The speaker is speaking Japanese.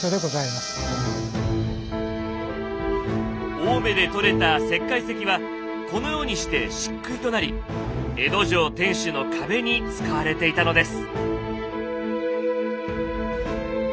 青梅で採れた石灰石はこのようにして漆喰となり江戸城天守の壁に使われていたのです。